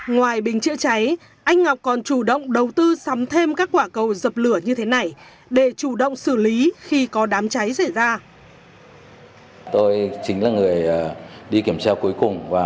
ngoài bình chữa cháy anh ngọc còn chủ động đầu tư sắm thêm các quả cầu dập lửa như thế này để chủ động xử lý khi có đám cháy xảy ra